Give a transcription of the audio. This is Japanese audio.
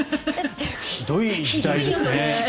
ひどい時代ですね。